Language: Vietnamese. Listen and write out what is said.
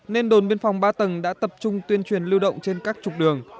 nên đồn biên phòng ba tầng đã tập trung tuyên truyền lưu động trên các trục đường